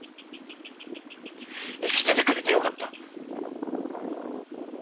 生きててくれてよかった。